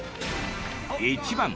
１番。